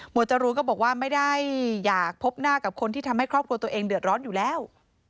จรูนก็บอกว่าไม่ได้อยากพบหน้ากับคนที่ทำให้ครอบครัวตัวเองเดือดร้อนอยู่แล้ว